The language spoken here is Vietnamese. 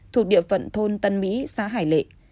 thuộc địa phận thôn tân mỹ xã hải lệ